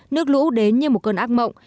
nước lũ đến như một cơn ác mộng